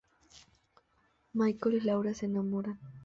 Michael y Laura se enamoran.